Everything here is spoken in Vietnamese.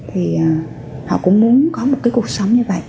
họ cũng muốn có một cuộc sống như vậy